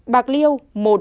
hai bạc liêu